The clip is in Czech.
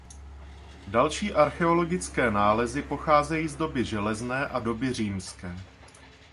Další archeologické nálezy pocházejí z doby železné a doby římské.